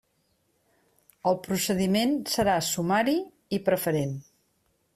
El procediment serà sumari i preferent.